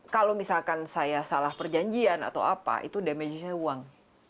kalau misalkan saya salah perjanjian atau apa itu damage nya uang